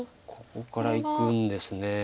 ここからいくんですね。